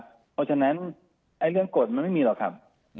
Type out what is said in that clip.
เพราะฉะนั้นเรื่องกฎมันไม่มีหรอกครับ